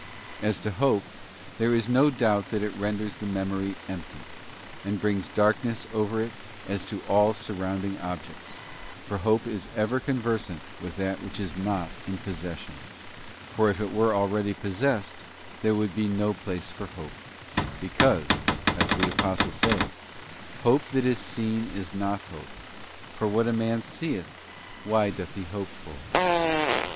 As to Hope, there is no doubt that it renders the memory empty, and brings dark ness over it as to all surrounding objects, for hope is ever conversant with that which is not in possession, for if it were already possessed there would be no place for hope; because, as the Apostle saith, ' hope that is seen is not hope, for what a man seeth why doth he hope for?